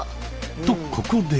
とここで。